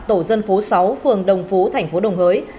tổ dân phố sáu phường đồng phú tp đồng hới